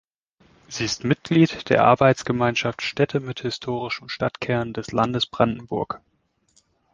Sie ist Mitglied der Arbeitsgemeinschaft „Städte mit historischen Stadtkernen“ des Landes Brandenburg.